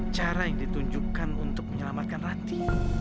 cara yang ditunjukkan untuk menyelamatkan rati